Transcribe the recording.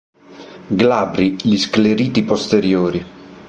Glabri gli scleriti posteriori.